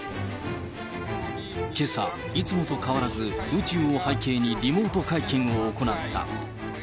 けさ、いつもと変わらず、宇宙を背景にリモート会見を行った。